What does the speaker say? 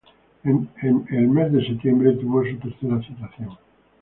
En el mes de septiembre, tuvo su tercera citación.